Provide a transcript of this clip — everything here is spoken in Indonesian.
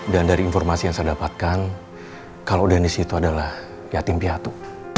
dan dari informasi yang saya dapatkan kalau deniz itu adalah yatim piatu